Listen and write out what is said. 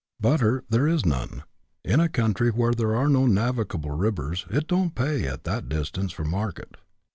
Butter there is none —" In a country where there are no navigable rivers, it ' don't pay ' at that distance from market."